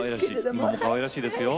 今もかわいらしいですよ。